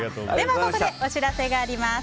ここでお知らせがあります。